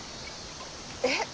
えっ？